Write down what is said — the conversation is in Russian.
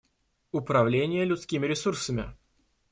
Управление людскими ресурсами.